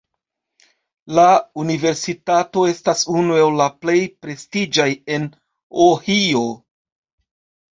La universitato estas unu el la plej prestiĝaj en Ohio.